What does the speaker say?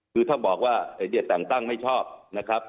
คือถ้าบอกว่าจะแต่งตั้งไม่ชอบนะครับ